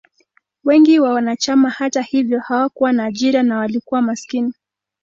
Wengi wa wanachama, hata hivyo, hawakuwa na ajira na walikuwa maskini.